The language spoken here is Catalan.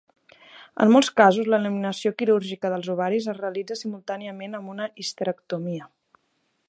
En molts casos, l'eliminació quirúrgica dels ovaris es realitza simultàniament amb una histerectomia.